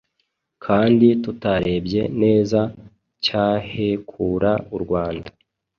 kandi tutarebye neza cyahekura u Rwanda.